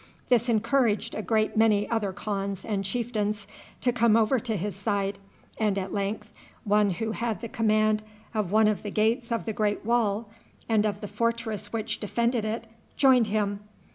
This encouraged a great many other khans and chieftains to come over to his side; and at length one who had the command of one of the gates of the great wall, and of the fortress which defended it, joined him.